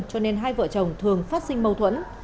cho nên hai vợ chồng thường phát sinh mâu thuẫn